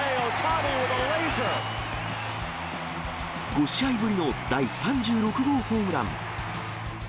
５試合ぶりの第３６号ホームラン。